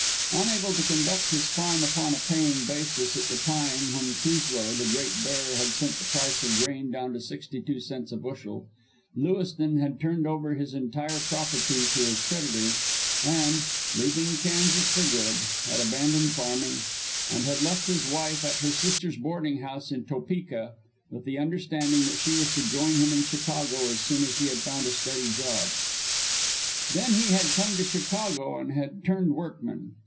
Unable to conduct his farm upon a paying basis at the time when Truslow, the "Great Bear," had sent the price of grain down to sixty two cents a bushel, Lewiston had turned over his entire property to his creditors, and, leaving Kansas for good, had abandoned farming, and had left his wife at her sister's boarding house in Topeka with the understanding that she was to join him in Chicago so soon as he had found a steady job. Then he had come to Chicago and had turned workman.